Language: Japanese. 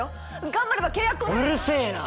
頑張れば契約うるせえな！